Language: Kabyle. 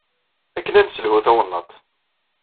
Akken ad nesselhu tawennaḍt.